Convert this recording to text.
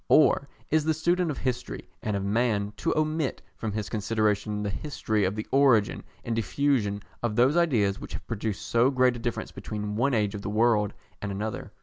Or is the student of history and of man to omit from his consideration the history of the origin and diffusion of those ideas which have produced so great a difference between one age of the world and another?